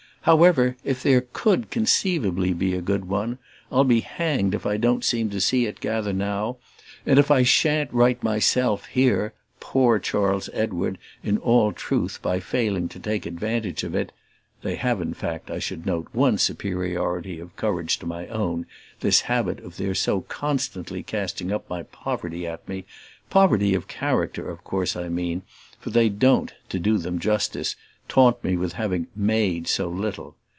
However, if there COULD be conceivably a good one, I'll be hanged if I don't seem to see it gather now, and if I sha'n't write myself here "poor" Charles Edward in all truth by failing to take advantage of it, (They have in fact, I should note, one superiority of courage to my own: this habit of their so constantly casting up my poverty at me poverty of character, of course I mean, for they don't, to do them justice, taunt me with having "made" so little.